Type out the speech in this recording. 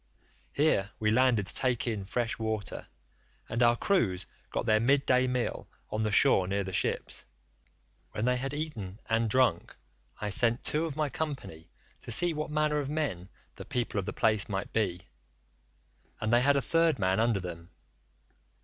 Here we landed to take in fresh water, and our crews got their mid day meal on the shore near the ships. When they had eaten and drunk I sent two of my company to see what manner of men the people of the place might be, and they had a third man under them.